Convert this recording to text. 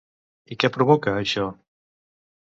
I què provoca, això?